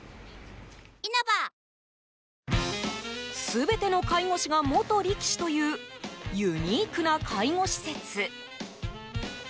全ての介護士が元力士というユニークな介護施設。